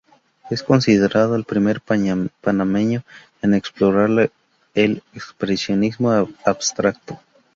Es considerado el primer panameño en explorar el expresionismo abstracto.